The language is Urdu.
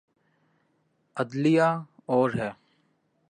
عدلیہ اور ہے۔